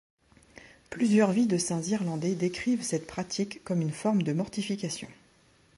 Plusieurs vies de saints irlandais décrivent cette pratique comme une forme de mortification.